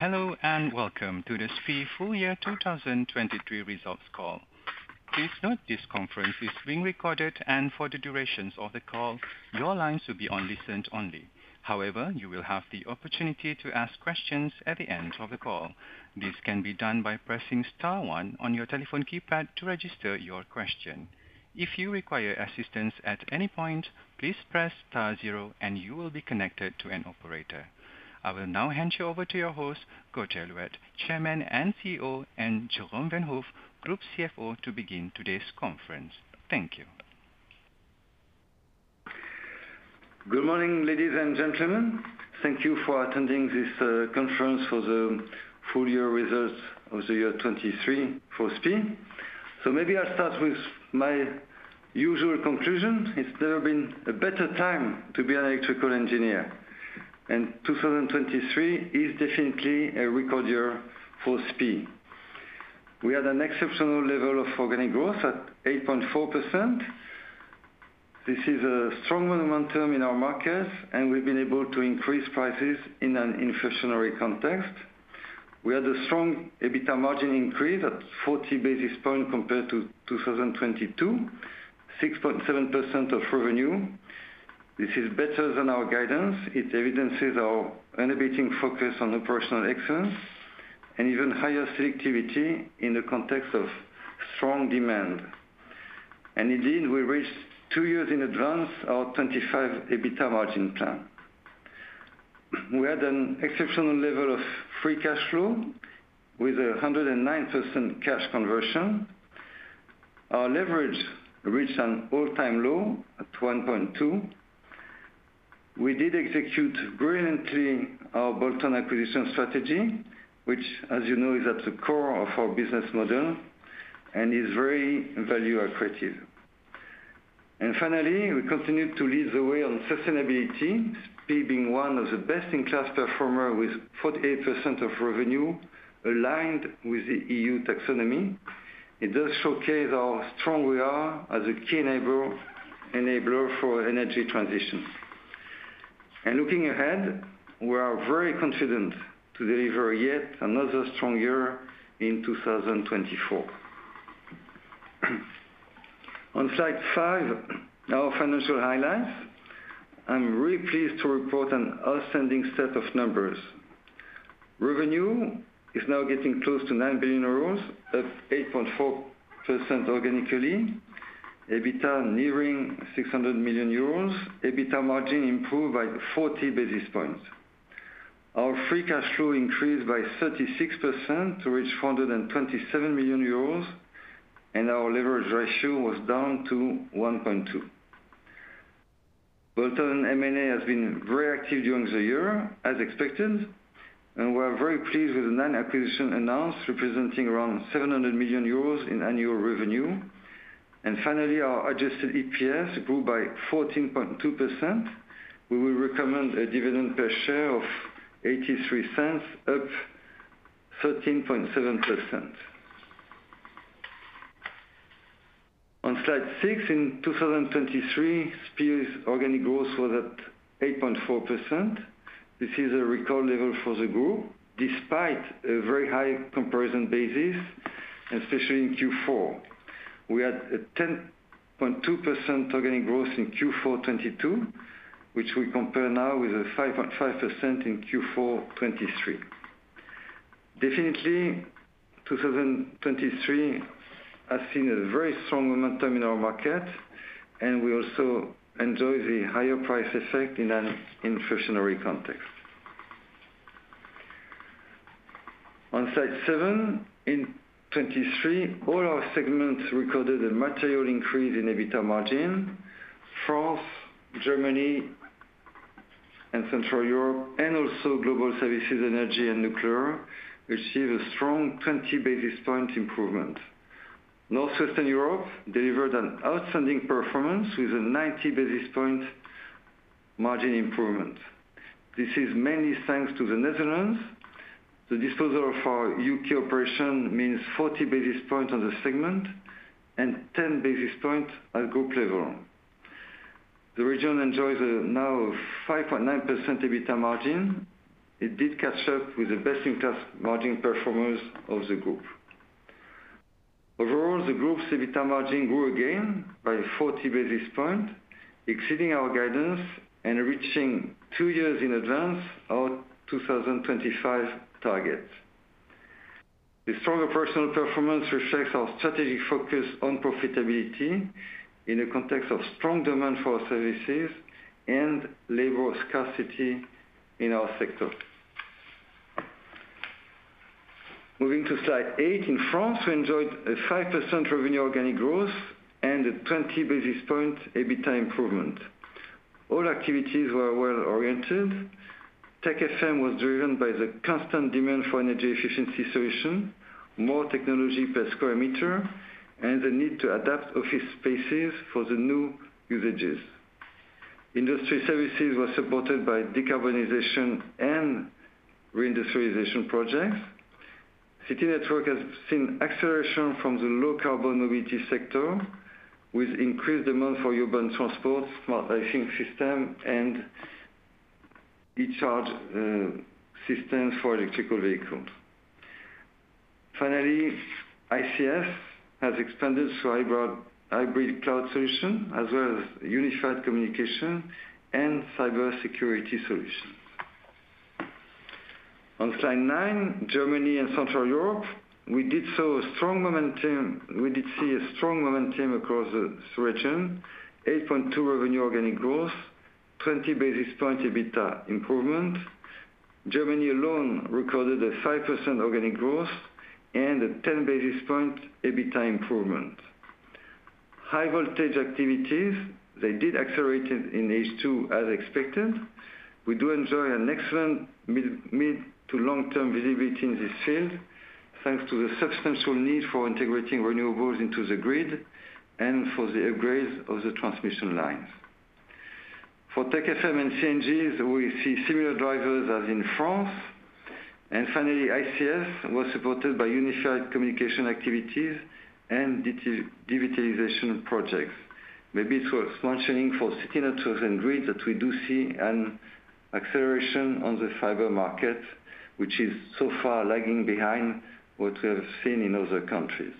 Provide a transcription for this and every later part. Hello, and welcome to the SPIE full year 2023 results call. Please note this conference is being recorded and for the durations of the call, your lines will be on listen only. However, you will have the opportunity to ask questions at the end of the call. This can be done by pressing star one on your telephone keypad to register your question. If you require assistance at any point, please press star zero and you will be connected to an operator. I will now hand you over to your host, Gauthier Louette, Chairman and CEO, and Jérôme Vanhove, Group CFO, to begin today's conference. Thank you. Good morning, ladies and gentlemen. Thank you for attending this conference for the full year results of the year 2023 for SPIE. So maybe I'll start with my usual conclusion. It's never been a better time to be an electrical engineer, and 2023 is definitely a record year for SPIE. We had an exceptional level of organic growth at 8.4%. This is a strong momentum in our markets, and we've been able to increase prices in an inflationary context. We had a strong EBITDA margin increase at 40 basis points compared to 2022, 6.7% of revenue. This is better than our guidance. It evidences our innovating focus on operational excellence and even higher selectivity in the context of strong demand. And indeed, we reached two years in advance our 25 EBITDA margin plan. We had an exceptional level of free cash flow with 109% cash conversion. Our leverage reached an all-time low at 1.2. We did execute brilliantly our bolt-on acquisition strategy, which, as you know, is at the core of our business model and is very value accretive. And finally, we continued to lead the way on sustainability, SPIE being one of the best-in-class performer with 48% of revenue aligned with the EU taxonomy. It does showcase how strong we are as a key enabler for energy transition. And looking ahead, we are very confident to deliver yet another strong year in 2024. On slide 5, our financial highlights. I'm really pleased to report an outstanding set of numbers. Revenue is now getting close to 9 billion euros, up 8.4% organically. EBITDA nearing 600 million euros. EBITDA margin improved by 40 basis points. Our free cash flow increased by 36% to reach 427 million euros, and our leverage ratio was down to 1.2. Bolt-on M&A has been very active during the year, as expected, and we are very pleased with the nine acquisitions announced, representing around 700 million euros in annual revenue. Finally, our adjusted EPS grew by 14.2%. We will recommend a dividend per share of 0.83, up 13.7%. On slide 6, in 2023, SPIE's organic growth was at 8.4%. This is a record level for the group, despite a very high comparison basis, especially in Q4. We had a 10.2% organic growth in Q4 2022, which we compare now with a 5.5% in Q4 2023. Definitely, 2023 has seen a very strong momentum in our market, and we also enjoy the higher price effect in an inflationary context. On slide 7, in 2023, all our segments recorded a material increase in EBITDA margin. France, Germany, and Central Europe, and also Global Services, Energy and Nuclear, received a strong 20 basis points improvement. Northwestern Europe delivered an outstanding performance with a 90 basis points margin improvement. This is mainly thanks to the Netherlands. The disposal of our UK operation means 40 basis points on the segment and 10 basis points at group level. The region enjoys a now 5.9% EBITDA margin. It did catch up with the best-in-class margin performance of the group. Overall, the group's EBITDA margin grew again by 40 basis points, exceeding our guidance and reaching two years in advance our 2025 targets. The stronger personal performance reflects our strategic focus on profitability in the context of strong demand for our services and labor scarcity in our sector. Moving to slide 8, in France, we enjoyed a 5% revenue organic growth and a 20 basis point EBITDA improvement. All activities were well-oriented. TechFM was driven by the constant demand for energy efficiency solution, more technology per square meter, and the need to adapt office spaces for the new usages. Industry services were supported by decarbonization and reindustrialization projects. CityNetworks has seen acceleration from the low carbon mobility sector, with increased demand for urban transport, smart lighting system, and e-charge system for electrical vehicles. Finally, ICS has expanded to hybrid cloud solution, as well as unified communication and cybersecurity solution. On slide nine, Germany and Central Europe, we did see a strong momentum across the region, 8.2 revenue organic growth, 20 basis point EBITDA improvement. Germany alone recorded a 5% organic growth and a 10 basis point EBITDA improvement. High voltage activities, they did accelerate in H2 as expected. We do enjoy an excellent mid- to long-term visibility in this field, thanks to the substantial need for integrating renewables into the grid and for the upgrades of the transmission lines. For TechFM and CNGs, we see similar drivers as in France. And finally, ICS was supported by unified communication activities and digitization projects. Maybe it's worth mentioning for CityNetworks & Grids, that we do see an acceleration on the fiber market, which is so far lagging behind what we have seen in other countries.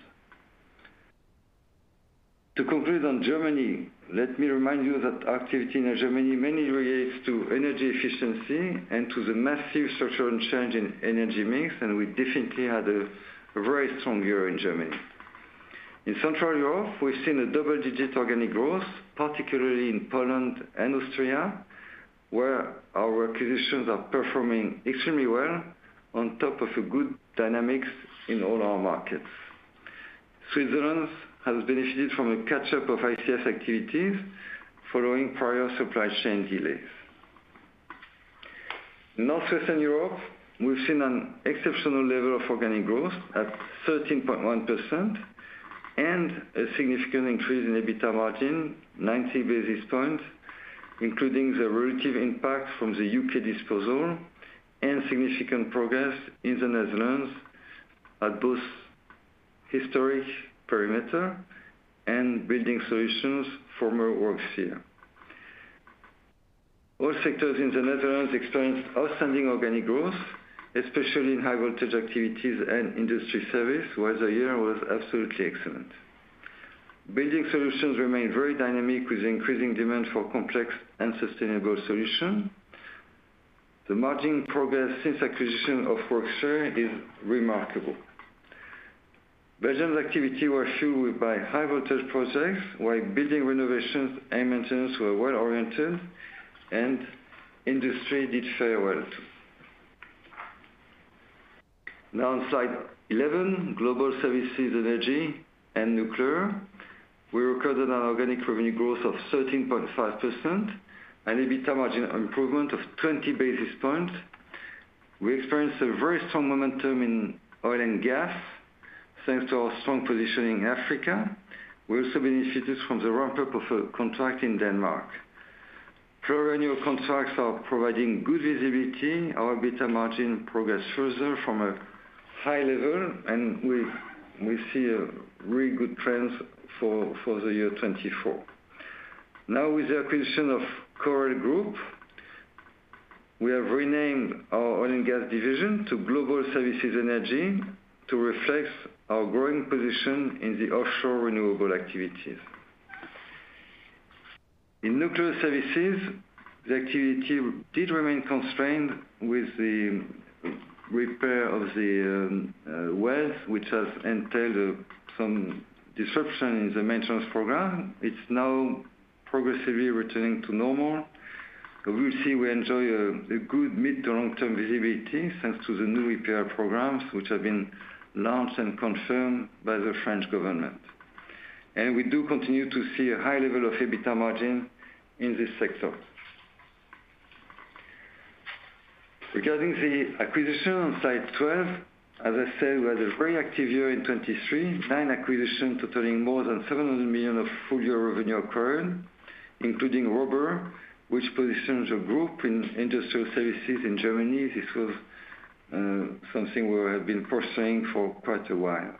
To conclude on Germany, let me remind you that activity in Germany mainly relates to energy efficiency and to the massive structural change in energy mix, and we definitely had a very strong year in Germany. In Central Europe, we've seen a double-digit organic growth, particularly in Poland and Austria, where our acquisitions are performing extremely well on top of a good dynamics in all our markets. Switzerland has benefited from a catch-up of ICS activities following prior supply chain delays. Northwestern Europe, we've seen an exceptional level of organic growth at 13.1% and a significant increase in EBITDA margin, 90 basis points, including the relative impact from the UK disposal and significant progress in the Netherlands at both historic perimeter and building solutions for former Worksphere. All sectors in the Netherlands experienced outstanding organic growth, especially in high voltage activities and industry service, where the year was absolutely excellent. Building solutions remain very dynamic, with increasing demand for complex and sustainable solution. The margin progress since acquisition of Worksphere is remarkable. Belgium's activity was fueled by high voltage projects, while building renovations and maintenance were well-oriented, and industry did well. Now, on slide 11, Global Services Energy and Nuclear. We recorded an organic revenue growth of 13.5% and EBITDA margin improvement of 20 basis points. We experienced a very strong momentum in oil and gas, thanks to our strong position in Africa. We also benefited from the ramp-up of a contract in Denmark. Pluriannual contracts are providing good visibility. Our EBITDA margin progress further from a high level, and we see a really good trends for the year 2024. Now, with the acquisition of Correll Group, we have renamed our oil and gas division to Global Services Energy, to reflect our growing position in the offshore renewable activities. In nuclear services, the activity did remain constrained with the repair of the wells, which has entailed some disruption in the maintenance program. It's now progressively returning to normal, but we see we enjoy a good mid- to long-term visibility, thanks to the new repair programs, which have been launched and confirmed by the French government. We do continue to see a high level of EBITDA margin in this sector. Regarding the acquisition on slide 12, as I said, we had a very active year in 2023, nine acquisitions totaling more than 700 million of full year revenue acquired, including ROBUR, which positions a group in industrial services in Germany. This was something we have been pursuing for quite a while.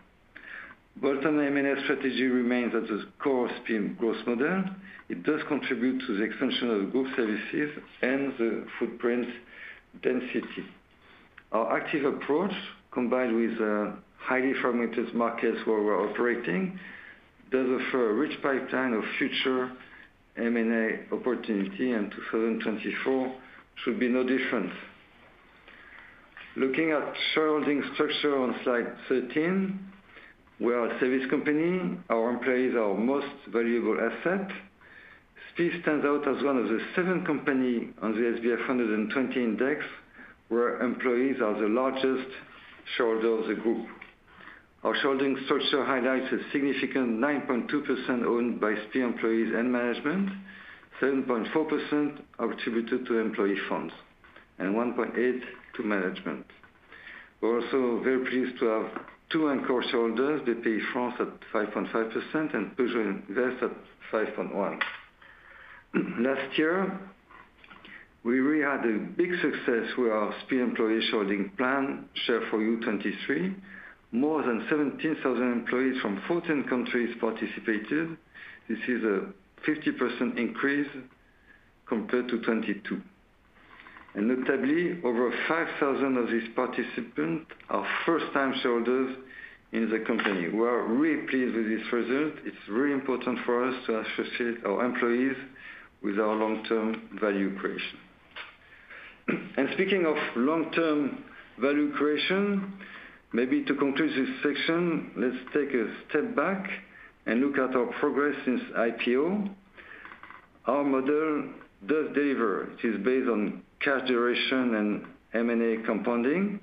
Both on M&A strategy remains at the core of SPIE growth model. It does contribute to the expansion of the group services and the footprint density. Our active approach, combined with highly fragmented markets where we're operating, does offer a rich pipeline of future M&A opportunity, and 2024 should be no different. Looking at shareholding structure on slide 13, we are a service company. Our employees are our most valuable asset. SPIE stands out as one of the seven company on the SBF 120 index, where employees are the largest shareholder of the group. Our shareholding structure highlights a significant 9.2% owned by SPIE employees and management, 7.4% attributed to employee funds, and 1.8 to management. We're also very pleased to have two anchor shareholders, Bpifrance at 5.5% and Peugeot Invest at 5.1%. Last year, we had a big success with our SPIE employee sharing plan, Share For You 2023. More than 17,000 employees from 14 countries participated. This is a 50% increase compared to 2022. And notably, over 5,000 of these participants are first-time shareholders in the company. We are really pleased with this result. It's really important for us to associate our employees with our long-term value creation. And speaking of long-term value creation, maybe to conclude this section, let's take a step back and look at our progress since IPO. Our model does deliver. It is based on cash generation and M&A compounding.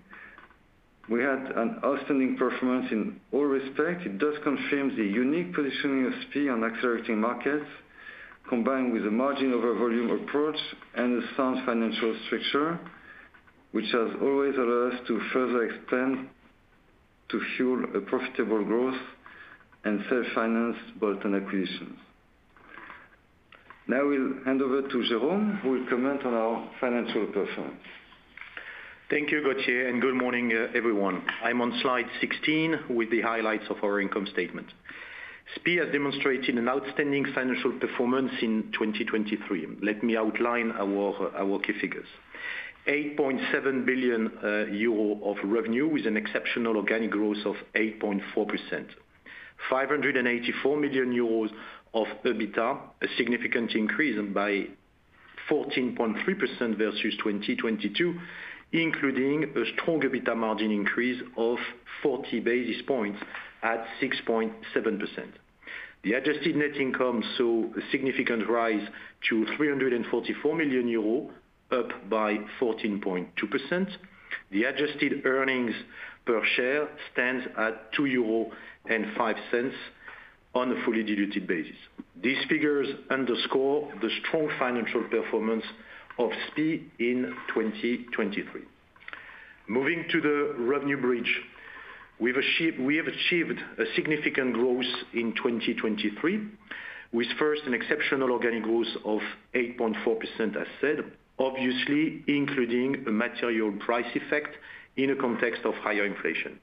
We had an outstanding performance in all respects. It does confirm the unique positioning of SPIE on accelerating markets, combined with a margin over volume approach and a sound financial structure, which has always allowed us to further extend, to fuel a profitable growth and self-finance bolt-on acquisitions. Now, we'll hand over to Jérôme, who will comment on our financial performance. Thank you, Gauthier, and good morning, everyone. I'm on slide 16 with the highlights of our income statement. SPIE has demonstrated an outstanding financial performance in 2023. Let me outline our key figures. 8.7 billion euro of revenue, with an exceptional organic growth of 8.4%. 584 million euros of EBITDA, a significant increase by 14.3% versus 2022, including a strong EBITDA margin increase of 40 basis points at 6.7%. The adjusted net income saw a significant rise to 344 million euros, up by 14.2%. The adjusted earnings per share stands at 2.05 euros on a fully diluted basis. These figures underscore the strong financial performance of SPIE in 2023. Moving to the revenue bridge, we have achieved a significant growth in 2023, with first, an exceptional organic growth of 8.4%, as said, obviously, including a material price effect in a context of higher inflation.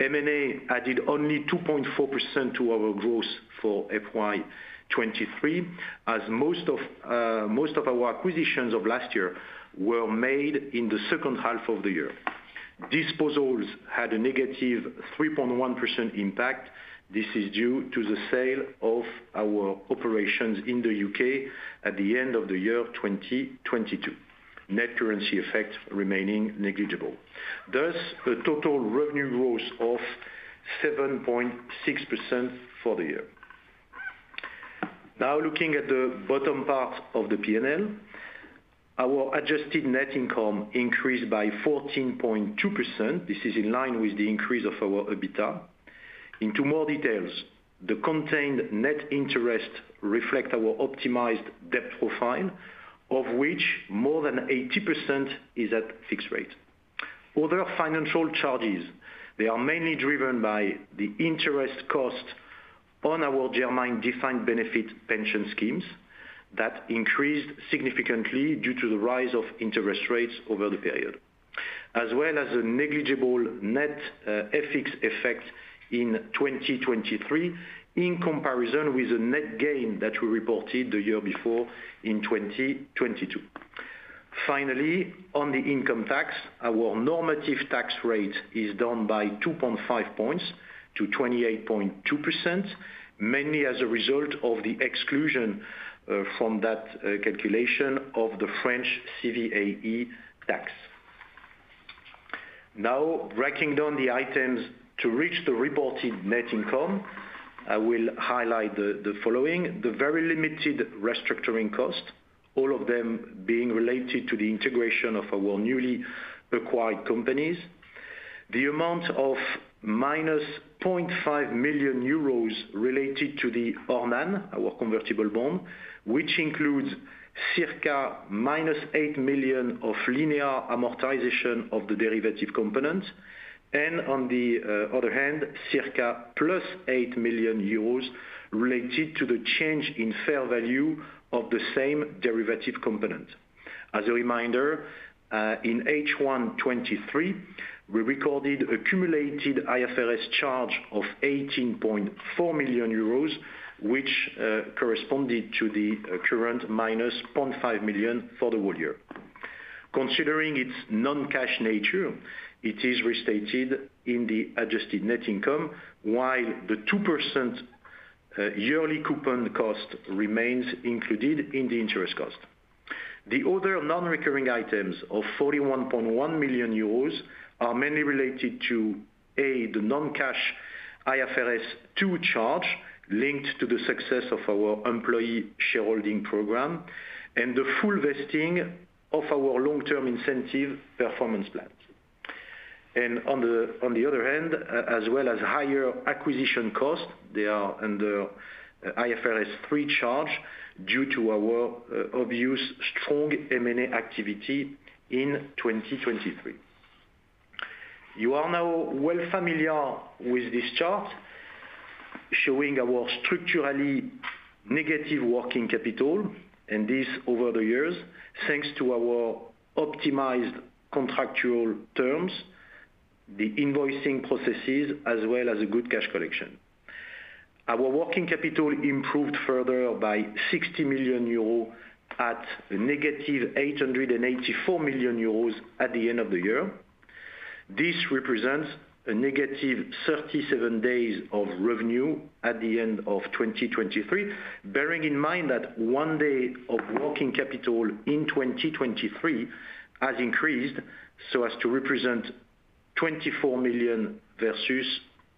M&A added only 2.4% to our growth for FY 2023, as most of, most of our acquisitions of last year were made in the second half of the year. Disposals had a negative 3.1% impact. This is due to the sale of our operations in the UK at the end of the year 2022. Net currency effect remaining negligible. Thus, a total revenue growth of 7.6% for the year. Now, looking at the bottom part of the P&L, our adjusted net income increased by 14.2%. This is in line with the increase of our EBITDA. Into more details, the contained net interest reflect our optimized debt profile, of which more than 80% is at fixed rate. Other financial charges, they are mainly driven by the interest cost on our Germany defined benefit pension schemes, that increased significantly due to the rise of interest rates over the period, as well as a negligible net, FX effect in 2023, in comparison with the net gain that we reported the year before in 2022. Finally, on the income tax, our normative tax rate is down by 2.5 points to 28.2%, mainly as a result of the exclusion, from that, calculation of the French CVAE tax. Now, breaking down the items to reach the reported net income, I will highlight the following: the very limited restructuring cost, all of them being related to the integration of our newly acquired companies. The amount of -0.5 million euros related to the ORNANE, our convertible bond, which includes circa -8 million of linear amortization of the derivative component, and on the other hand, circa +8 million euros related to the change in fair value of the same derivative component. As a reminder, in H1 2023, we recorded accumulated IFRS charge of 18.4 million euros, which corresponded to the current -0.5 million for the whole year. Considering its non-cash nature, it is restated in the adjusted net income, while the 2% yearly coupon cost remains included in the interest cost. The other non-recurring items of 41.1 million euros are mainly related to a, the non-cash IFRS 2 charge, linked to the success of our employee shareholding program, and the full vesting of our long-term incentive performance plans. And on the other hand, as well as higher acquisition costs, they are under IFRS 3 charge due to our obvious strong M&A activity in 2023. You are now well familiar with this chart, showing our structurally negative working capital, and this over the years, thanks to our optimized contractual terms, the invoicing processes, as well as a good cash collection. Our working capital improved further by 60 million euros at negative 884 million euros at the end of the year. This represents a negative 37 days of revenue at the end of 2023, bearing in mind that one day of working capital in 2023 has increased, so as to represent 24 million versus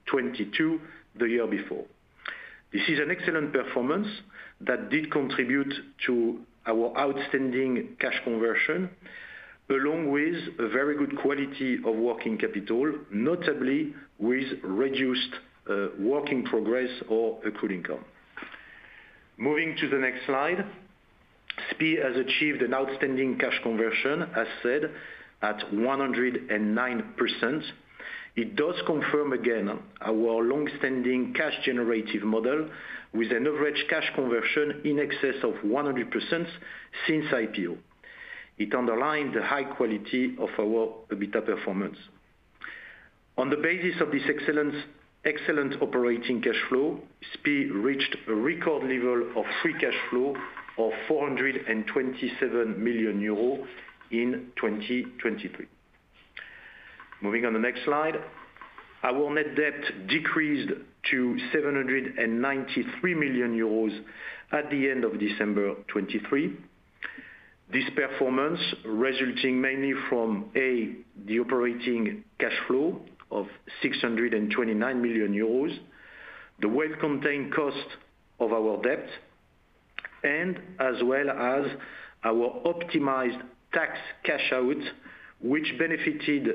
22 million the year before. This is an excellent performance that did contribute to our outstanding cash conversion, along with a very good quality of working capital, notably with reduced working progress or accrued income. Moving to the next slide, SPIE has achieved an outstanding cash conversion, as said, at 109%. It does confirm again, our long-standing cash generative model with an average cash conversion in excess of 100% since IPO. It underlined the high quality of our EBITDA performance. On the basis of this excellence, excellent operating cash flow, SPIE reached a record level of free cash flow of 427 million euros in 2023. Moving on the next slide. Our net debt decreased to 793 million euros at the end of December 2023. This performance resulting mainly from, A, the operating cash flow of 629 million euros, the well-contained cost of our debt, and as well as our optimized tax cash out, which benefited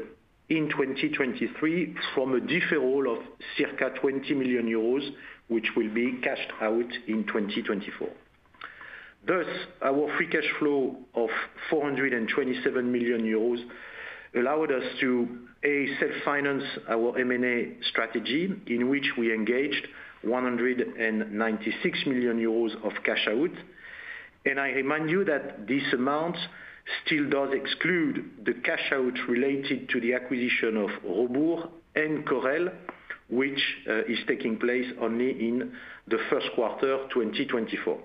in 2023 from a deferral of circa 20 million euros, which will be cashed out in 2024. Thus, our free cash flow of 427 million euros allowed us to, A, self-finance our M&A strategy, in which we engaged 196 million euros of cash out. And I remind you that this amount still does exclude the cash out related to the acquisition of Robur and Correll, which is taking place only in the first quarter, 2024.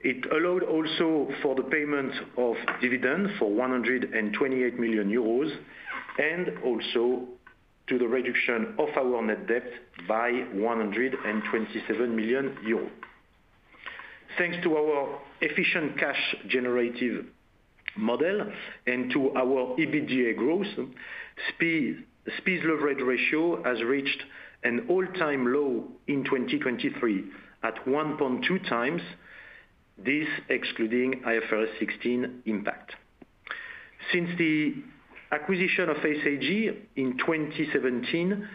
It allowed also for the payment of dividend for 128 million euros, and also to the reduction of our net debt by 127 million euros. Thanks to our efficient cash generative model and to our EBITDA growth, SPIE, SPIE's leverage ratio has reached an all-time low in 2023, at 1.2 times, this excluding IFRS 16 impact. Since the acquisition of SAG in 2017,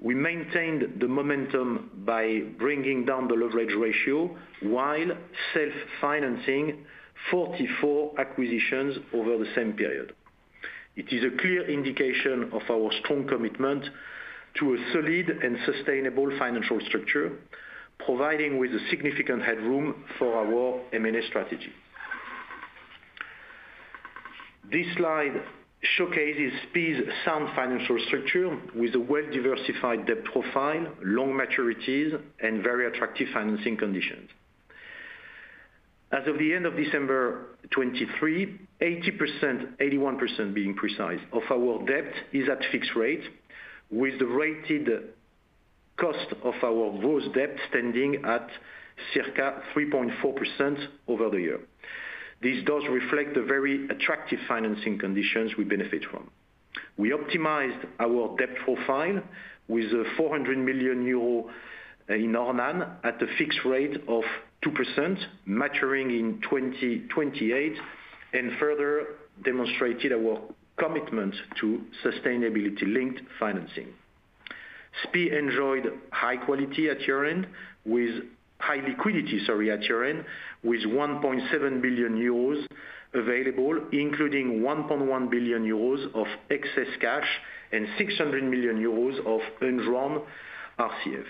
we maintained the momentum by bringing down the leverage ratio, while self-financing 44 acquisitions over the same period. It is a clear indication of our strong commitment to a solid and sustainable financial structure, providing with a significant headroom for our M&A strategy. This slide showcases SPIE's sound financial structure with a well-diversified debt profile, long maturities, and very attractive financing conditions. As of the end of December 2023, 80%, 81% being precise, of our debt is at fixed rate, with the rated cost of our gross debt standing at circa 3.4% over the year. This does reflect the very attractive financing conditions we benefit from. We optimized our debt profile with 400 million euro in ORNANE at a fixed rate of 2%, maturing in 2028, and further demonstrated our commitment to sustainability-linked financing. SPIE enjoyed high quality at year-end with high liquidity, sorry, at year-end, with 1.7 billion euros available, including 1.1 billion euros of excess cash and 600 million euros of undrawn RCF.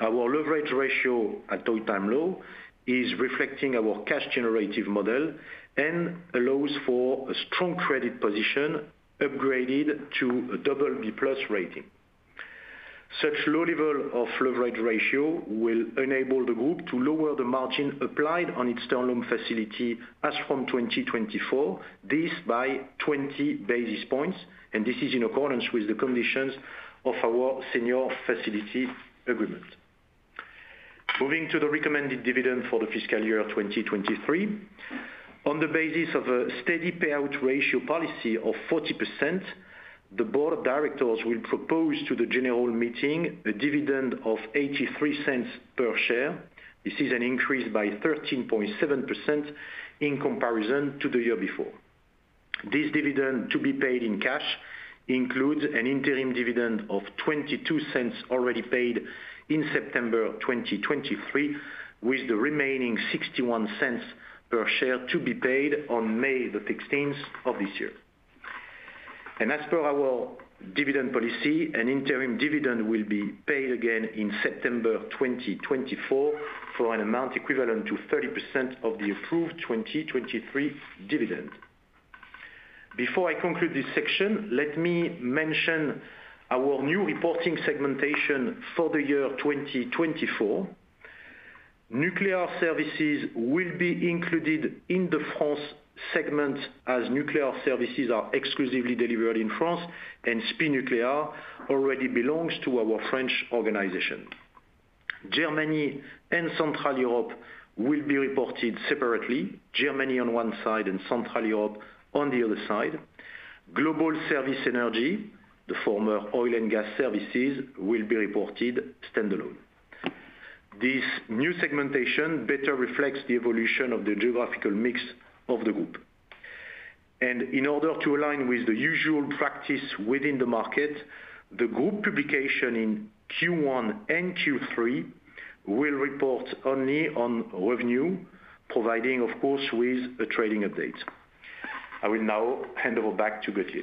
Our leverage ratio at all-time low is reflecting our cash generative model and allows for a strong credit position upgraded to a BB+ rating. Such low level of leverage ratio will enable the group to lower the margin applied on its term loan facility as from 2024, this by 20 basis points, and this is in accordance with the conditions of our senior facility agreement. Moving to the recommended dividend for the fiscal year of 2023. On the basis of a steady payout ratio policy of 40%, the board of directors will propose to the general meeting a dividend of 0.83 per share. This is an increase by 13.7% in comparison to the year before. This dividend, to be paid in cash, includes an interim dividend of 0.22 already paid in September of 2023, with the remaining 0.61 per share to be paid on May the 16th of this year. As per our dividend policy, an interim dividend will be paid again in September 2024, for an amount equivalent to 30% of the approved 2023 dividend. Before I conclude this section, let me mention our new reporting segmentation for the year 2024. Nuclear services will be included in the France segment, as nuclear services are exclusively delivered in France, and SPIE Nuclear already belongs to our French organization. Germany and Central Europe will be reported separately, Germany on one side and Central Europe on the other side. SPIE Global Services Energy, the former oil and gas services, will be reported standalone. This new segmentation better reflects the evolution of the geographical mix of the group. In order to align with the usual practice within the market, the group publication in Q1 and Q3 will report only on revenue, providing, of course, with a trading update. I will now hand over back to Gauthier.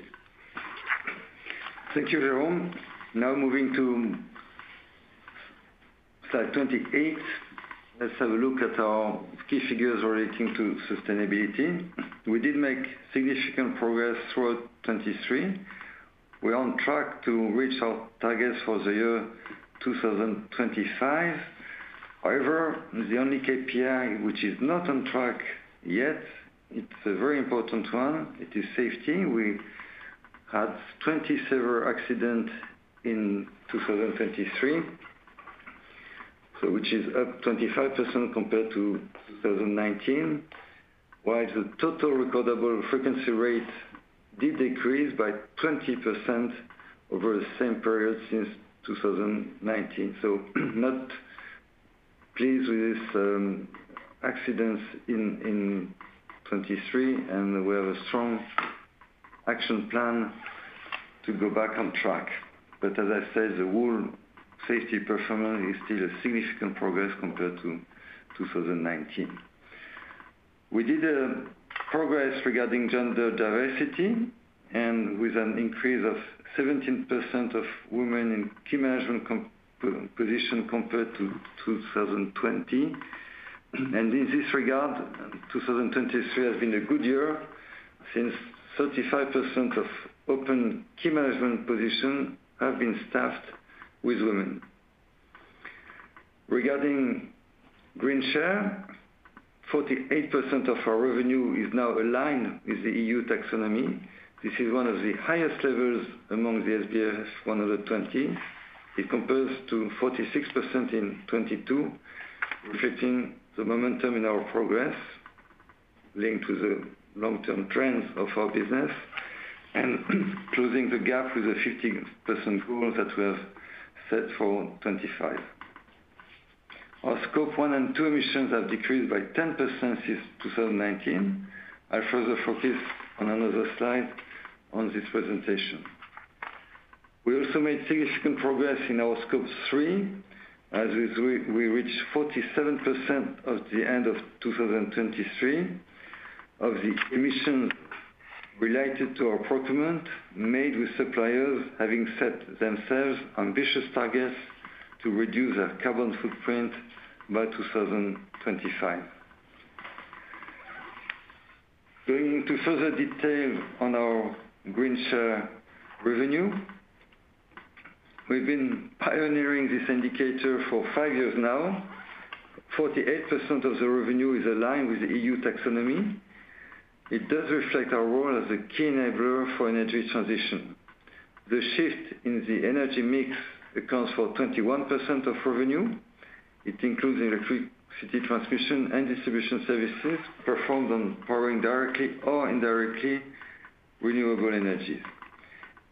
Thank you, Jérôme. Now moving to slide 28. Let's have a look at our key figures relating to sustainability. We did make significant progress throughout 2023. We're on track to reach our targets for the year 2025. However, the only KPI which is not on track yet, it's a very important one, it is safety. We had 20 severe accident in 2023, so which is up 25% compared to 2019. While the total recordable frequency rate did decrease by 20% over the same period since 2019. Not pleased with this, accidents in 2023, and we have a strong action plan to go back on track. But as I said, the whole safety performance is still a significant progress compared to 2019. We did progress regarding gender diversity, and with an increase of 17% of women in key management positions compared to 2020. And in this regard, 2023 has been a good year since 35% of open key management positions have been staffed with women. Regarding green share, 48% of our revenue is now aligned with the EU taxonomy. This is one of the highest levels among the SBF 120. It compares to 46% in 2022, reflecting the momentum in our progress linked to the long-term trends of our business, and closing the gap with the 15% goal that we have set for 2025. Our Scope 1 and 2 emissions have decreased by 10% since 2019. I'll further focus on another slide on this presentation. We also made significant progress in our Scope 3, as we reached 47% at the end of 2023, of the emissions related to our procurement made with suppliers, having set themselves ambitious targets to reduce their carbon footprint by 2025. Going into further detail on our green share revenue. We've been pioneering this indicator for five years now. 48% of the revenue is aligned with the EU taxonomy. It does reflect our role as a key enabler for energy transition. The shift in the energy mix accounts for 21% of revenue. It includes electricity transmission and distribution services performed on powering directly or indirectly, renewable energy.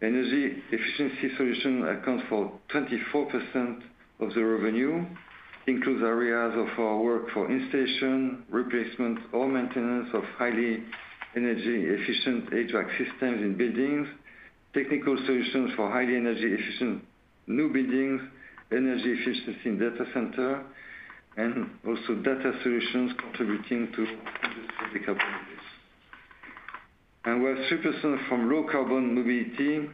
Energy efficiency solution accounts for 24% of the revenue, includes areas of our work for installation, replacement, or maintenance of highly energy-efficient HVAC systems in buildings, technical solutions for highly energy efficient new buildings, energy efficiency in data center, and also data solutions contributing to industrial companies. We have 3% from low carbon mobility.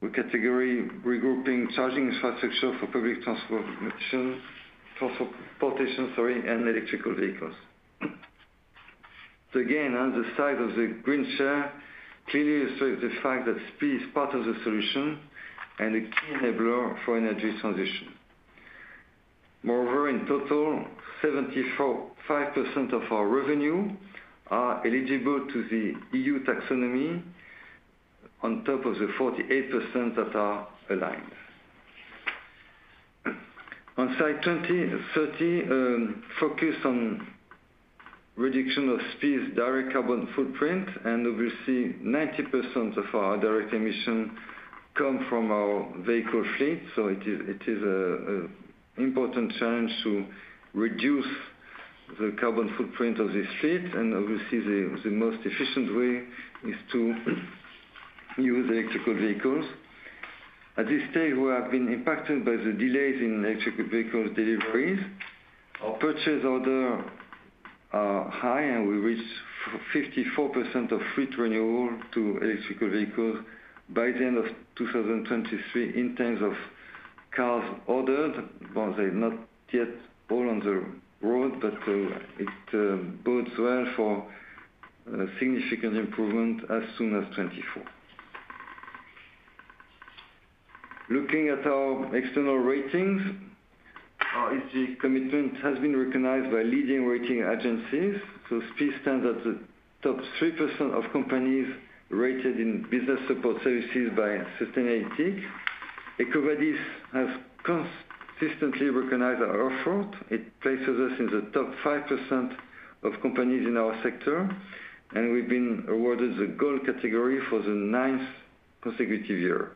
We category regrouping charging infrastructure for public transportation, transportation, sorry, and electrical vehicles. Again, on the side of the green share, clearly illustrates the fact that SPIE is part of the solution and a key enabler for energy transition. Moreover, in total, 74.5% of our revenue are eligible to the EU taxonomy on top of the 48% that are aligned. On slide 20, focus on reduction of SPIE's direct carbon footprint, and obviously, 90% of our direct emissions come from our vehicle fleet, so it is an important challenge to reduce the carbon footprint of this fleet, and obviously, the most efficient way is to use electric vehicles. At this stage, we have been impacted by the delays in electric vehicles deliveries. Our purchase orders are high, and we reached 54% of fleet renewal to electric vehicles by the end of 2023 in terms of cars ordered, but they're not yet all on the road, but it bodes well for a significant improvement as soon as 2024. Looking at our external ratings, our ESG commitment has been recognized by leading rating agencies. So SPIE stands at the top 3% of companies rated in business support services by Sustainalytics. EcoVadis has consistently recognized our effort. It places us in the top 5% of companies in our sector, and we've been awarded the Gold category for the ninth consecutive year.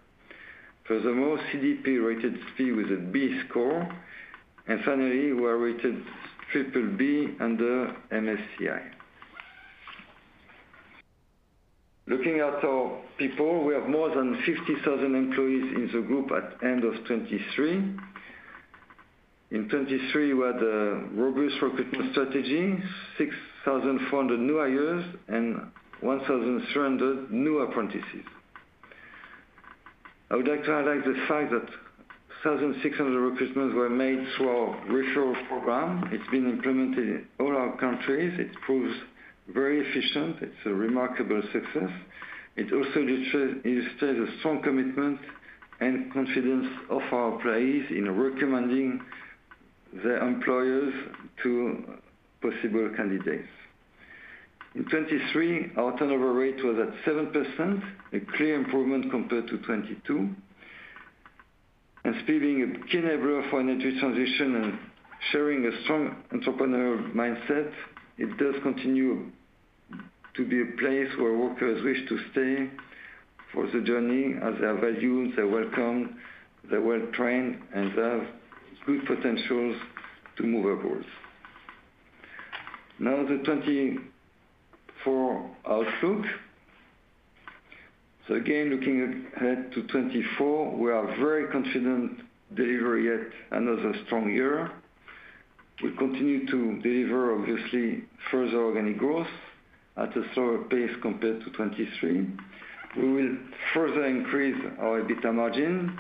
Furthermore, CDP rated SPIE with a B score, and finally, we are rated triple B under MSCI. Looking at our people, we have more than 50,000 employees in the group at end of 2023. In 2023, we had a robust recruitment strategy, 6,400 new hires, and 1,300 new apprentices. I would like to highlight the fact that 1,600 recruitments were made through our referral program. It's been implemented in all our countries. It proves very efficient. It's a remarkable success. It also illustrates a strong commitment and confidence of our employees in recommending their employers to possible candidates. In 2023, our turnover rate was at 7%, a clear improvement compared to 2022. SPIE being a key enabler for energy transition and sharing a strong entrepreneurial mindset, it does continue to be a place where workers wish to stay for the journey, as they are valued, they're welcome, they're well-trained, and they have good potentials to move upwards. Now, the 2024 outlook. So again, looking ahead to 2024, we are very confident deliver yet another strong year. We continue to deliver, obviously, further organic growth at a slower pace compared to 2023. We will further increase our EBITDA margin.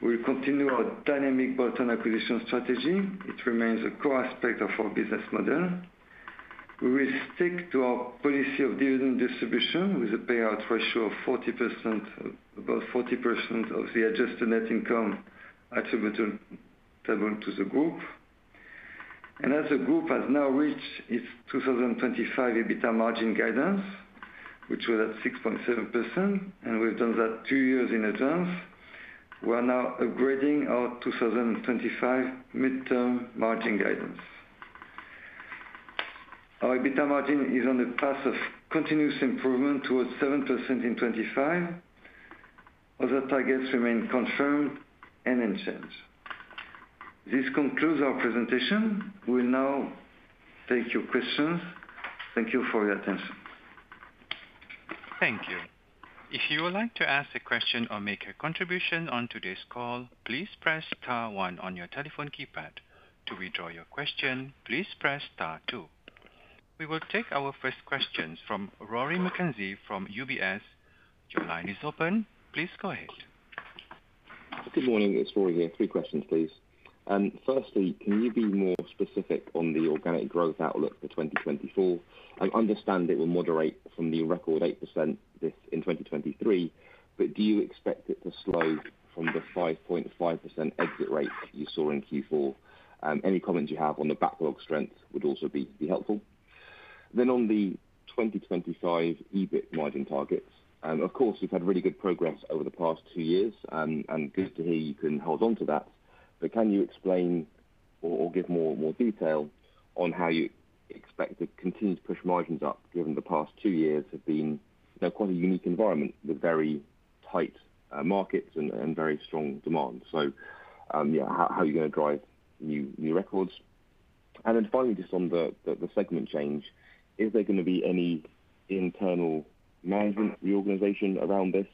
We'll continue our dynamic bolt-on acquisition strategy, which remains a core aspect of our business model. We will stick to our policy of dividend distribution, with a payout ratio of 40%, about 40% of the adjusted net income attributable to the group. As the group has now reached its 2025 EBITDA margin guidance, which was at 6.7%, and we've done that two years in advance, we are now upgrading our 2025 midterm margin guidance. Our EBITDA margin is on the path of continuous improvement towards 7% in 2025. Other targets remain confirmed and unchanged. This concludes our presentation. We'll now take your questions. Thank you for your attention. Thank you. If you would like to ask a question or make a contribution on today's call, please press star one on your telephone keypad. To withdraw your question, please press star two. We will take our first questions from Rory McKenzie from UBS. Your line is open. Please go ahead. Good morning, it's Rory here. Three questions, please. Firstly, can you be more specific on the organic growth outlook for 2024? I understand it will moderate from the record 8% in 2023, but do you expect it to slow from the 5.5% exit rate you saw in Q4? Any comments you have on the backlog strength would also be helpful. Then on the 2025 EBIT margin targets, and, of course, you've had really good progress over the past two years, and good to hear you can hold on to that, but can you explain or give more detail on how you expect to continue to push margins up, given the past two years have been, you know, quite a unique environment, with very tight markets and very strong demand? So, yeah, how are you going to drive new records? And then finally, just on the segment change, is there gonna be any internal management reorganization around this,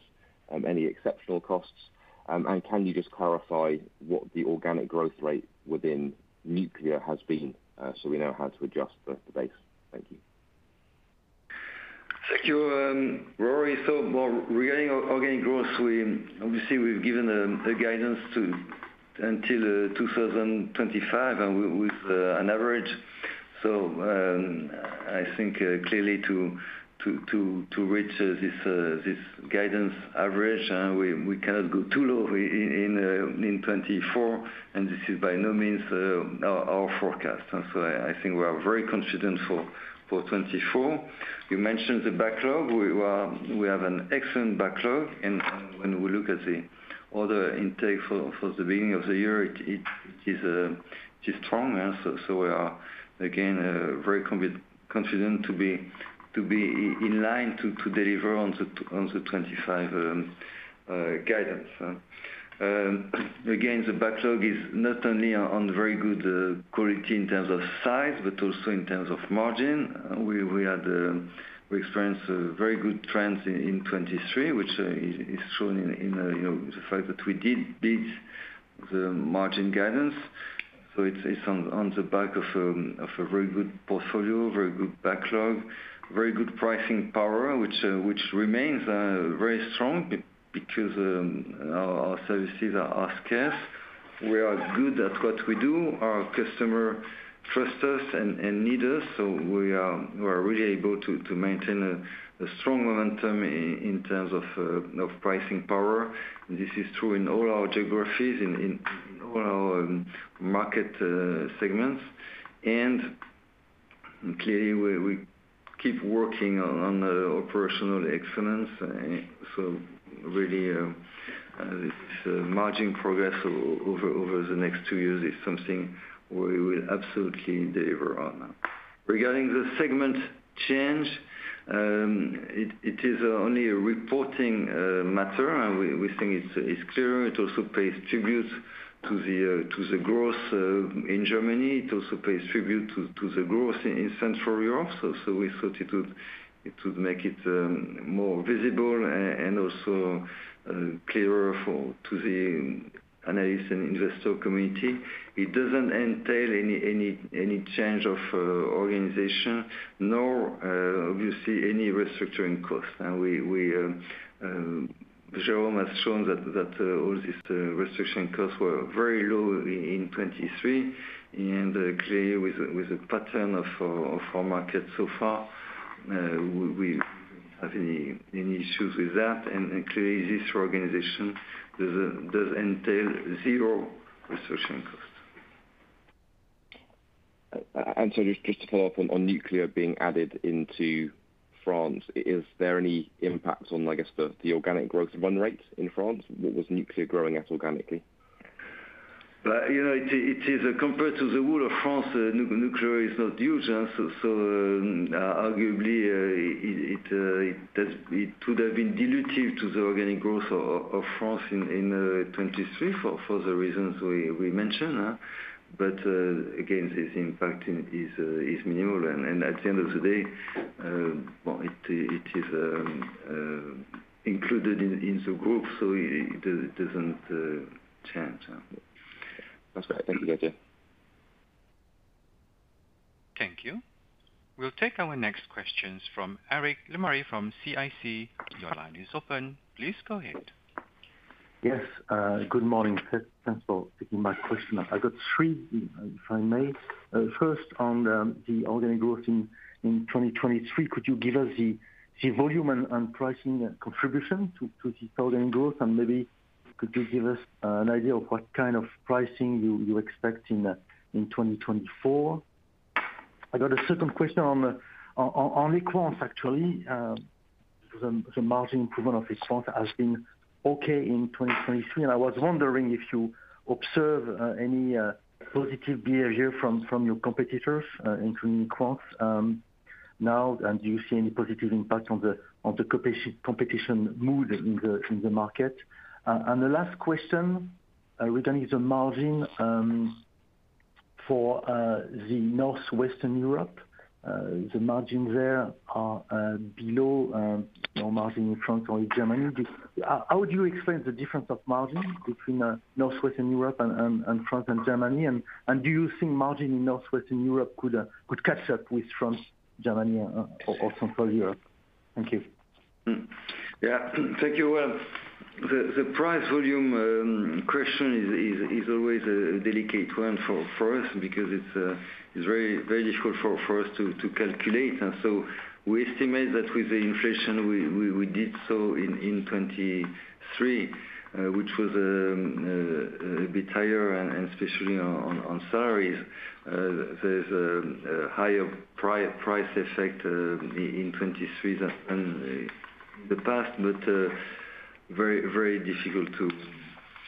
any exceptional costs? And can you just clarify what the organic growth rate within nuclear has been, so we know how to adjust the base? Thank you. Thank you, Rory. So, well, regarding our organic growth, we obviously have given a guidance to until 2025, and with an average. So, I think clearly to reach this guidance average, we cannot go too low in 2024, and this is by no means our forecast. So I think we are very confident for 2024. You mentioned the backlog. We have an excellent backlog, and when we look at the order intake for the beginning of the year, it is strong. So, we are again very confident to be in line to deliver on the 2025 guidance. Again, the backlog is not only on very good quality in terms of size, but also in terms of margin. We had experienced a very good trends in 2023, which is shown in, you know, the fact that we did beat the margin guidance. So it's on the back of a very good portfolio, very good backlog, very good pricing power, which remains very strong because our services are scarce. We are good at what we do. Our customer trust us and need us, so we are really able to maintain a strong momentum in terms of pricing power. This is true in all our geographies, in all our market segments. Clearly, we keep working on the operational excellence. This margin progress over the next two years is something we will absolutely deliver on. Regarding the segment change, it is only a reporting matter, and we think it's clear. It also pays tribute to the growth in Germany. It also pays tribute to the growth in Central Europe. So we thought it would make it more visible and also clearer to the analyst and investor community. It doesn't entail any change of organization, nor obviously, any restructuring costs. Jérôme has shown that all these restructuring costs were very low in 2023, and clearly, with the pattern of our market so far, we have any issues with that. And clearly, this reorganization does entail zero restructuring cost. Just to follow up on nuclear being added into France, is there any impact on, I guess, the organic growth run rate in France? Was nuclear growing as organically? You know, it is, it is compared to the whole of France, nuclear is not huge, so, arguably, it would have been dilutive to the organic growth of France in 2023, for the reasons we mentioned, huh? But, again, this impact is minimal, and at the end of the day, well, it is included in the group, so it doesn't change. That's right. Thank you, Didier. Thank you. We'll take our next questions from Eric Lemarié from CIC. Your line is open. Please go ahead. Yes, good morning. Thanks for taking my question. I got three, if I may. First, on the organic growth in 2023, could you give us the volume and pricing contribution to the organic growth? And maybe could you give us an idea of what kind of pricing you expect in 2024? I got a second question on the accounts, actually. The margin improvement of accounts has been okay in 2023, and I was wondering if you observe any positive behavior from your competitors, including accounts, now, and do you see any positive impact on the competition mood in the market? The last question, regarding the margin, for the Northwestern Europe, the margin there are below your margin in France or in Germany. Just how would you explain the difference of margin between Northwestern Europe and France and Germany? And do you think margin in Northwestern Europe could catch up with France, Germany, or Central Europe? Thank you. Hmm. Yeah. Thank you. Well, the price volume question is always a delicate one for us, because it's very, very difficult for us to calculate. And so we estimate that with the inflation, we did so in 2023, which was a bit higher and especially on salaries. There's a higher price effect in 2023 than the past, but very, very difficult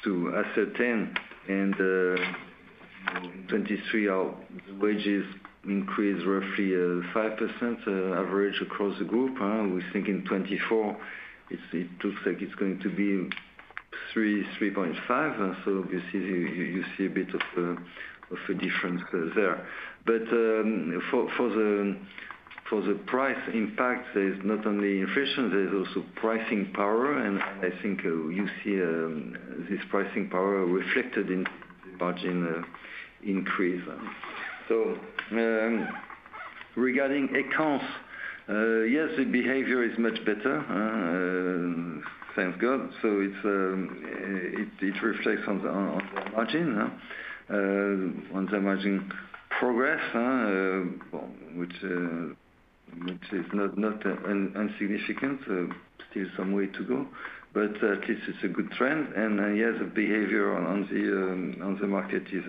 to ascertain. And in 2023 our wages increased roughly 5% average across the group. We think in 2024, it looks like it's going to be 3-3.5. So obviously, you see a bit of a difference there. But, for the price impact, there's not only inflation, there's also pricing power. And I think, you see, this pricing power reflected in margin increase. So, regarding accounts, yes, the behavior is much better, thank God. So it reflects on the margin, on the margin progress, which is not insignificant. Still some way to go, but, at least it's a good trend. And, yes, the behavior on the market is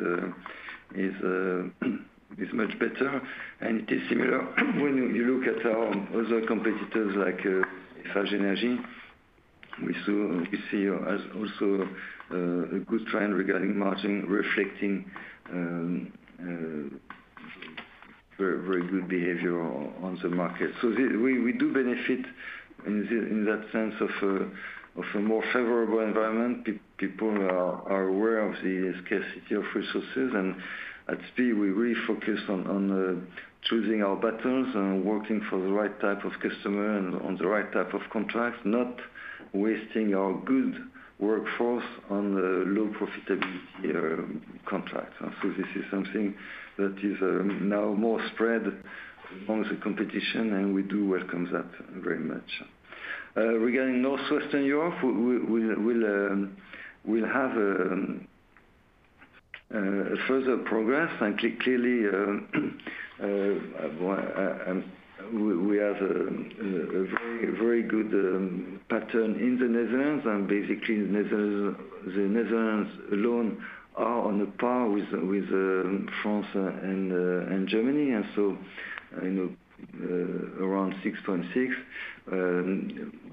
much better. And it is similar when you look at other competitors like Eiffage Énergie Systèmes. We see as also a good trend regarding margin reflecting very, very good behavior on the market. We do benefit in that sense of a more favorable environment. People are aware of the scarcity of resources, and at SPIE, we really focus on choosing our battles and working for the right type of customer and on the right type of contract, not wasting our good workforce on the low profitability contracts. This is something that is now more spread amongst the competition, and we do welcome that very much. Regarding Northwestern Europe, we will have a further progress, and clearly we have a very very good pattern in the Netherlands, and basically, the Netherlands alone are on par with France and Germany. You know, around 6.6,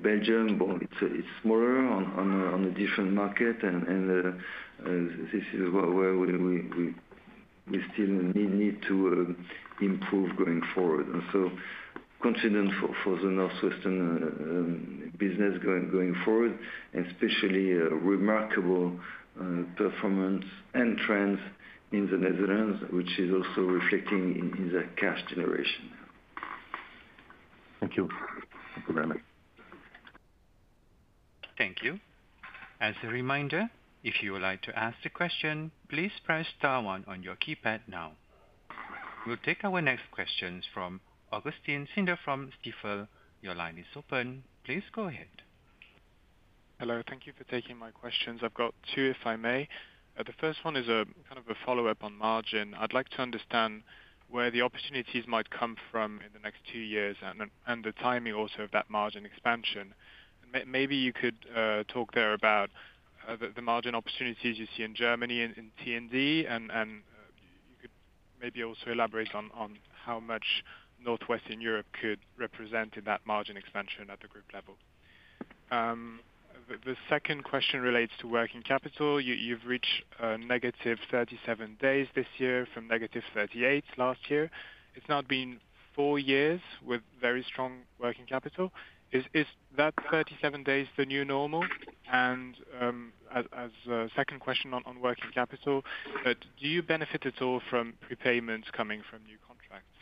Belgium, well, it's smaller on a different market, and this is where we still need to improve going forward. And so confident for the Northwestern business going forward, especially remarkable performance and trends in the Netherlands, which is also reflecting in the cash generation. Thank you. Thank you very much. Thank you. As a reminder, if you would like to ask a question, please press star one on your keypad now. We'll take our next questions from Augustin Cendre from Stifel. Your line is open. Please go ahead. Hello. Thank you for taking my questions. I've got two, if I may. The first one is a kind of a follow-up on margin. I'd like to understand where the opportunities might come from in the next two years and the timing also of that margin expansion. Maybe you could talk there about the margin opportunities you see in Germany, in T&D, and you could maybe also elaborate on how much Northwestern Europe could represent in that margin expansion at the group level. The second question relates to working capital. You've reached negative 37 days this year from negative 38 last year. It's now been four years with very strong working capital. Is that 37 days the new normal? As a second question on working capital, do you benefit at all from prepayments coming from new contracts?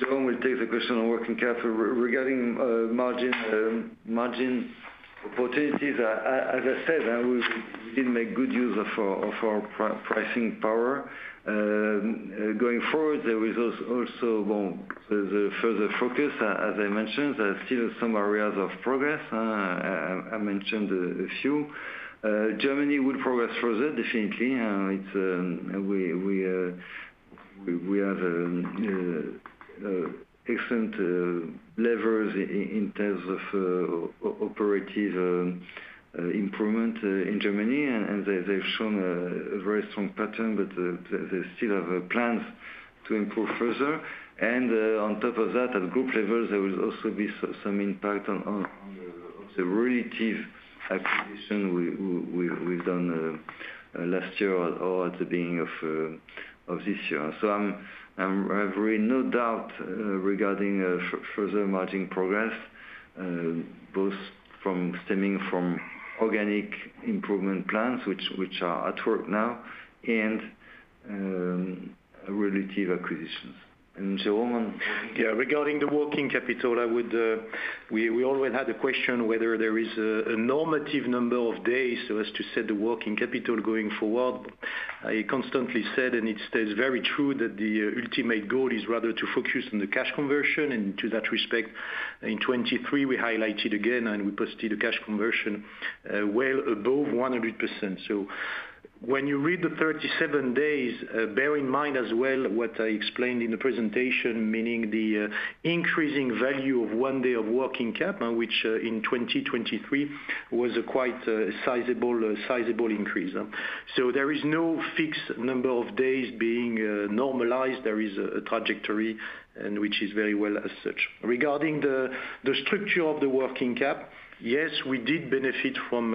Jérôme will take the question on working capital. Regarding margin opportunities, as I said, we did make good use of our pricing power. Going forward, there is also, well, the further focus, as I mentioned, there are still some areas of progress. I mentioned a few. Germany will progress further, definitely. It's, we have excellent levers in terms of operative improvement in Germany, and they've shown a very strong pattern, but they still have plans to improve further. On top of that, at group level, there will also be some impact of the relative acquisition we've done last year or at the beginning of this year. So I'm really no doubt regarding further margin progress both stemming from organic improvement plans, which are at work now, and relative acquisitions. And Jérôme? Yeah, regarding the working capital, we always had a question whether there is a normative number of days so as to set the working capital going forward. I constantly said, and it stays very true, that the ultimate goal is rather to focus on the cash conversion. And to that respect, in 2023, we highlighted again, and we posted a cash conversion well above 100%. When you read the 37 days, bear in mind as well what I explained in the presentation, meaning the increasing value of one day of working cap, which in 2023 was a quite sizable increase. So there is no fixed number of days being normalized. There is a trajectory, and which is very well as such. Regarding the structure of the working cap, yes, we did benefit from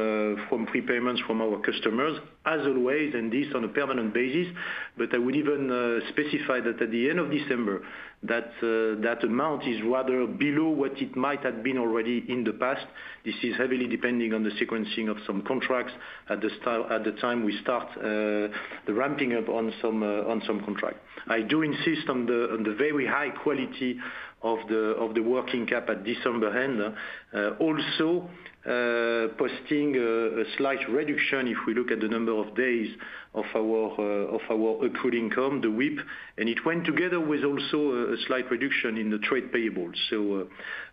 prepayments from our customers, as always, and this on a permanent basis. But I would even specify that at the end of December, that amount is rather below what it might have been already in the past. This is heavily depending on the sequencing of some contracts at the stage—at the time we start the ramping up on some contracts. I do insist on the very high quality of the working cap at December end. Also, posting a slight reduction if we look at the number of days of our accrued income, the WIP, and it went together with also a slight reduction in the trade payables.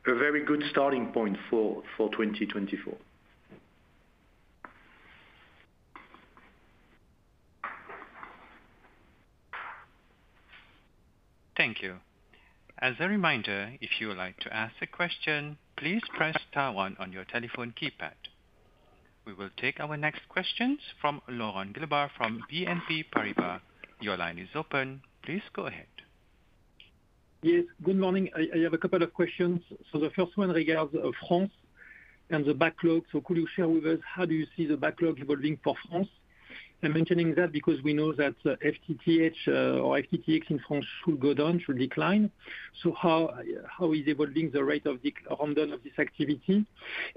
A very good starting point for 2024. Thank you. As a reminder, if you would like to ask a question, please press star one on your telephone keypad. We will take our next questions from Laurent Gelebart from BNP Paribas. Your line is open. Please go ahead. Yes, good morning. I have a couple of questions. So the first one regards France and the backlog. So could you share with us how do you see the backlog evolving for France? I'm mentioning that because we know that FTTH or FTTX in France should go down, should decline. How is evolving the rate of deceleration down of this activity?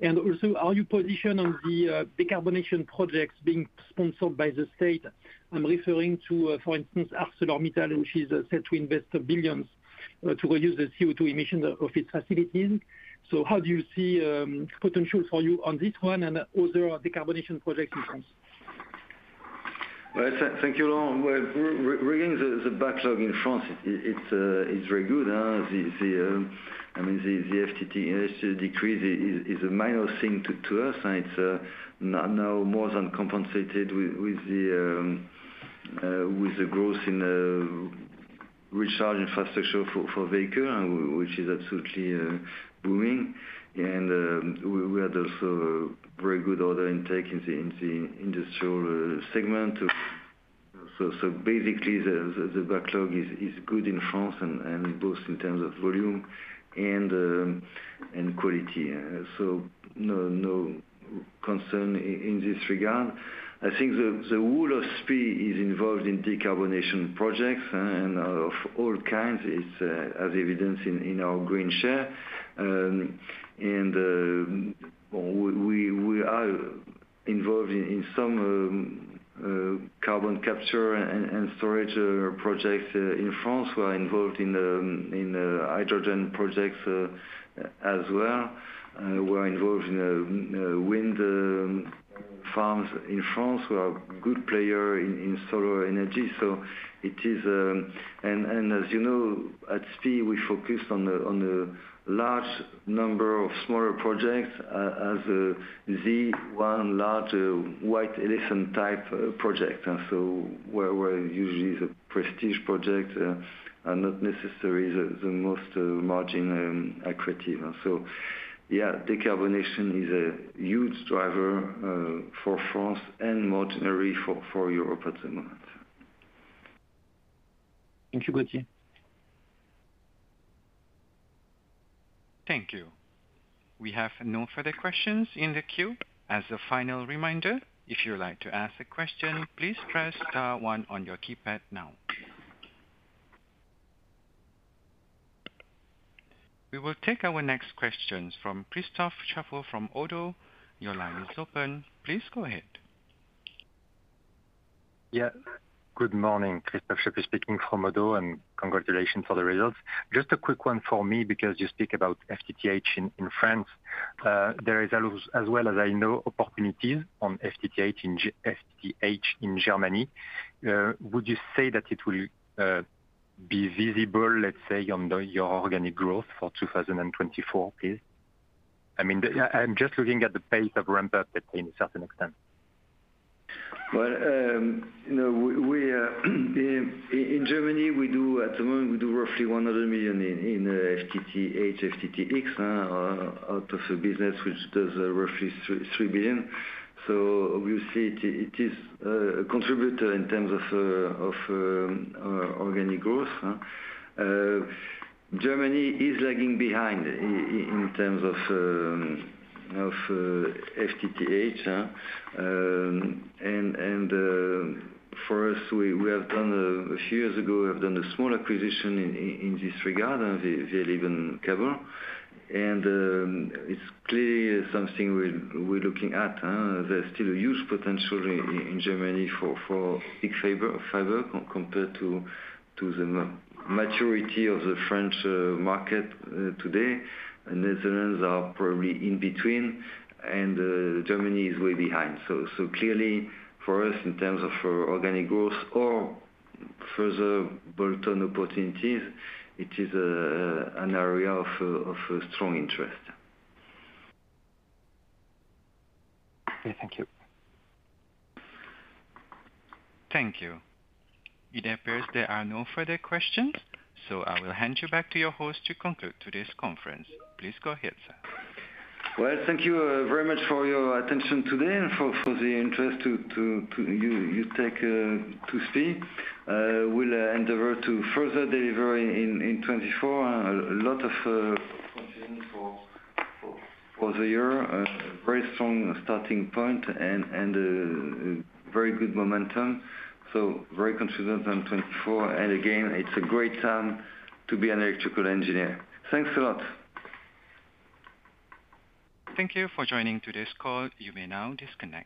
And also, are you positioned on the decarbonization projects being sponsored by the state? I'm referring to, for instance, ArcelorMittal, which is set to invest billions to reduce the CO2 emissions of its facilities. So how do you see potential for you on this one and other decarbonization projects in France? Well, thank you, Laurent. Well, regarding the backlog in France, it's very good. I mean, the FTTH decrease is a minor thing to us, and it's not now more than compensated with the growth in recharge infrastructure for vehicle, and which is absolutely booming. And we had also a very good order intake in the industrial segment. So basically, the backlog is good in France and both in terms of volume and quality. So no concern in this regard. I think the whole of SPI is involved in decarbonization projects and of all kinds. It's as evidenced in our green share. We are involved in some carbon capture and storage projects in France. We are involved in hydrogen projects as well. We're involved in wind farms in France. We are a good player in solar energy. So it is. And as you know, at SPIE, we focus on the large number of smaller projects as the one large white elephant-type project. And so where usually the prestige project are not necessarily the most margin accretive. So yeah, decarbonization is a huge driver for France and more generally for Europe at the moment. Thank you, Gauthier. Thank you. We have no further questions in the queue. As a final reminder, if you would like to ask a question, please press star one on your keypad now. We will take our next questions from Christophe Chaput from ODDO BHF. Your line is open. Please go ahead. Yeah, good morning. Christophe Chaput speaking from ODDO, and congratulations on the results. Just a quick one for me, because you speak about FTTH in France. There is also, as well as I know, opportunities on FTTH in Germany. Would you say that it will be visible, let's say, on your organic growth for 2024, please? I mean, I'm just looking at the pace of ramp up at any certain extent. Well, you know, in Germany, at the moment, we do roughly 100 million in FTTH, FTTX, out of a business which does roughly 3 billion. So obviously, it is a contributor in terms of organic growth, huh? Germany is lagging behind in terms of FTTH, huh? And, for us, we have done a few years ago a small acquisition in this regard, the Wir lieben Kabel. And, it's clearly something we're looking at, huh? There's still a huge potential in Germany for FTTH, fiber, compared to the maturity of the French market today. And Netherlands are probably in between, and Germany is way behind. Clearly, for us, in terms of organic growth or further bolt-on opportunities, it is an area of strong interest. Okay. Thank you. Thank you. It appears there are no further questions, so I will hand you back to your host to conclude today's conference. Please go ahead, sir. Well, thank you very much for your attention today and for the interest you take to see. We'll endeavor to further deliver in 2024. A lot of confidence for the year. A very strong starting point and very good momentum. So very confident on 2024. And again, it's a great time to be an electrical engineer. Thanks a lot. Thank you for joining today's call. You may now disconnect.